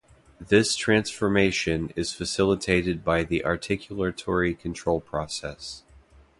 This transformation is facilitated by the articulatory control process.